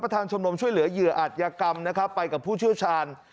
ทางชมรมช่วยเหลือเหยื่ออัตยกรรมนะครับไปกับผู้เชี่ยวชาญ